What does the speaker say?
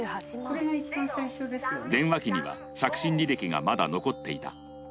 電話機には着信履歴がまだ残っていた。